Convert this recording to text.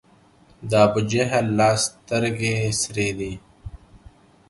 د ابوجهل لا سترګي سرې دي